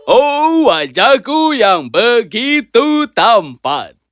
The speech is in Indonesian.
oh wajahku yang begitu tampan